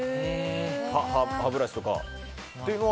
歯ブラシとかも。